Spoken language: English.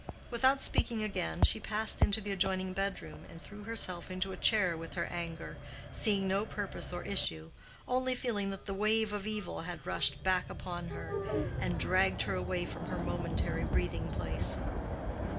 Without speaking again, she passed into the adjoining bedroom and threw herself into a chair with her anger, seeing no purpose or issue—only feeling that the wave of evil had rushed back upon her, and dragged her away from her momentary breathing place.